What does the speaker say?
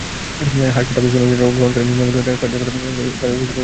High court appeal শুনানির জন্য গ্রহণ করে নিম্ন আদালতের রায়ের কার্যকারিতা স্থগিত করেন।